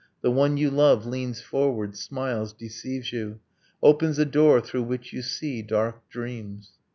The one you love leans forward, smiles, deceives you, Opens a door through which you see dark dreams.